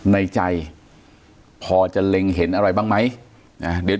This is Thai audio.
ในใจพอจะเร็งเห็นอะไรบ้างมั้ย